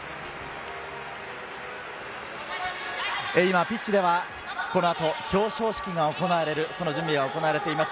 今ピッチではこの後、表彰式が行われる準備が行われています。